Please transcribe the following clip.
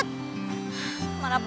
aduh mana sih miangkot